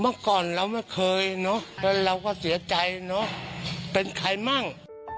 เมื่อก่อนเราไม่เคยเนอะแล้วเราก็เสียใจเนอะเป็นใครมั่ง